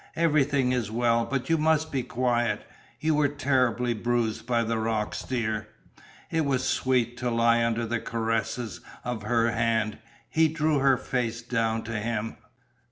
Everything is well. But you must be quiet. You were terribly bruised by the rocks, dear." It was sweet to lie under the caresses of her hand. He drew her face down to him.